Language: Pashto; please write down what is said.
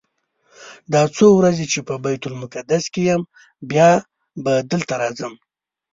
دا څو ورځې چې په بیت المقدس کې یم بیا به دلته راځم.